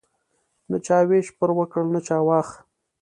نه چا ویش پر وکړ نه چا واخ.